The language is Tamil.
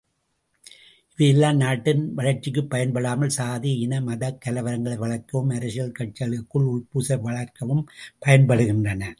இவையெல்லாம் நாட்டின் வளர்ச்சிக்குப் பயன்படாமல் சாதி, இன, மதக் கலவரங்களை வளர்க்கவும் அரசியல் கட்சிகளுக்குள் உட்பூசலை வளர்க்கவும் பயன்படுகின்றன!